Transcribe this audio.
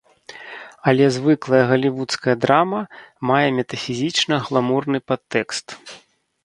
Але звыклая галівудская драма мае метафізічна-гламурны падтэкст.